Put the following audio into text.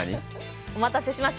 お待たせしました。